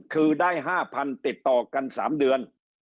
คือได้๕๐๐๐ติดต่อกัน๓เดือน